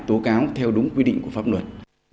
báo theo đúng quy định của pháp luật